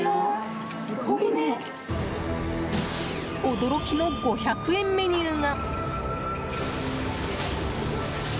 驚きの５００円メニューが。